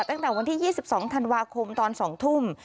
ตั้งแต่วันที่๒๒ธันวาคมตอน๒ทุ่ม